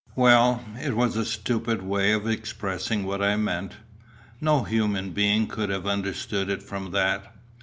"Well, it was a stupid way of expressing what I meant. No human being could have understood it from that.